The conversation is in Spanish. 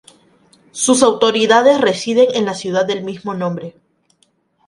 Sus autoridades residen en la ciudad del mismo nombre.